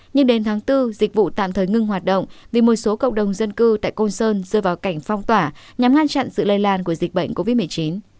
nhưng đến tháng bốn dịch vụ tạm thời ngưng hoạt động vì một số cộng đồng dân cư tại côn sơn rơi vào cảnh phong tỏa nhằm ngăn chặn sự lây lan của dịch bệnh covid một mươi chín